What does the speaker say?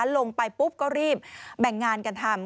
ลงไปปุ๊บก็รีบแบ่งงานกันทำ